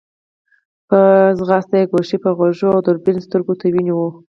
په منډه يې ګوشي په غوږو او دوربين سترګو ته ونيو.